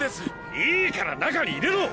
いいから中に入れろ！